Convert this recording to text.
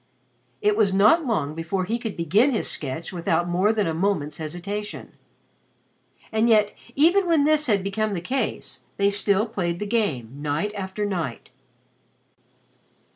It was not long before he could begin his sketch without more than a moment's hesitation. And yet even when this had become the case, they still played the game night after night.